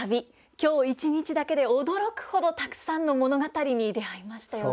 今日一日だけで驚くほどたくさんの物語に出会いましたよね。